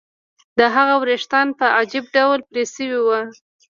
د هغه ویښتان په عجیب ډول پرې شوي وو